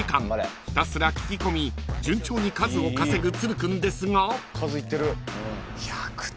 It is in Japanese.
ひたすら聞き込み順調に数を稼ぐ都留君ですが］